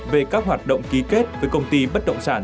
về các hoạt động ký kết với công ty bất động sản